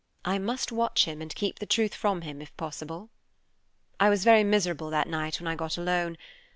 I must watch him and keep the truth from him, if possible. "I was very miserable that night when I got alone.